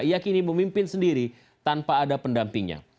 ia kini memimpin sendiri tanpa ada pendampingnya